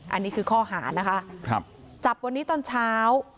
อันนี้คือข้อหานะคะครับจับวันนี้ตอนเช้า